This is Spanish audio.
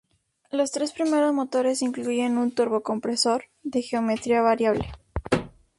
Los tres primeros motores incluyen un turbocompresor de geometría variable.